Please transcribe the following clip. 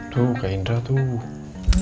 tuh kak indra tuh